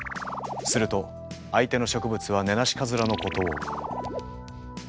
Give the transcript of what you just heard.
すると相手の植物はネナシカズラのことを。